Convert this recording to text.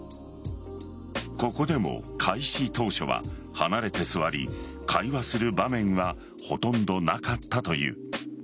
ここでも開始当初は離れて座り会話する場面はほとんどなかったという。